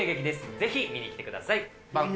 ぜひ見に来てください。